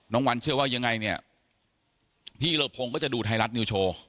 น้องวันเชื่อว่ายังไงพี่เรอพงษ์ก็จะดูไทยรัฐนิวโชว์